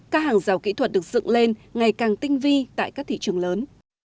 các hàng rào kỹ thuật được dựng lên ngày càng tinh vi tại các thị trường lớn